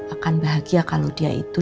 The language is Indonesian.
akan bahagia kalau dia itu